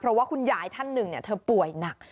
เพราะว่าคุณยายท่านหนึ่งเธอป่วยหนัก